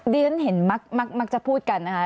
เรียนเห็นมักจะพูดกันนะคะ